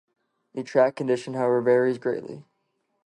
The track condition however varies greatly.